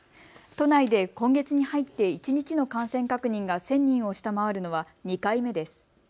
都内で今月に入って一日の感染確認が１０００人を下回るのは２回目です。